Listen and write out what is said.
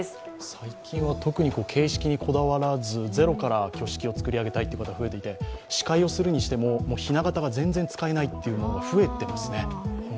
最近は特に形式にこだわらず、ゼロから挙式を作り上げたいという方増えていて司会をするにしても、ひな形が全然使えないというものが増えていますね。